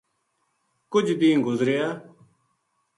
کُجھ دیہنہ گزریا